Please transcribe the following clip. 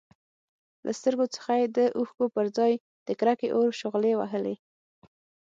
له سترګو څخه يې د اوښکو پرځای د کرکې اور شغلې وهلې.